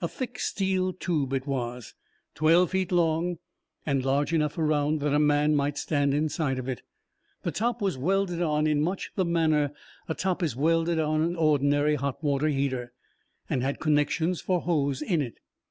A thick steel tube, it was. Twelve feet long and large enough around that a man might stand inside of it. The top was welded on in much the manner a top is welded on an ordinary hot water heater, and had connections for hose in it.